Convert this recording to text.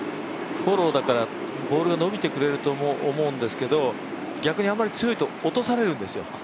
フォローだからボールが伸びてくれると思うんですけど逆にあまり強いと落とされるんですよ。